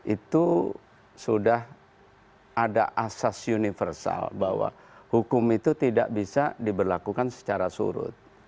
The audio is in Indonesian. itu sudah ada asas universal bahwa hukum itu tidak bisa diberlakukan secara surut